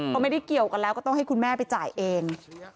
เขาไม่ได้เกี่ยวกันแล้วก็ต้องให้คุณแม่ไปจ่ายเอง